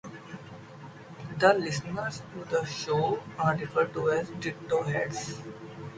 The listeners to the show are referred to as "Ditto-heads".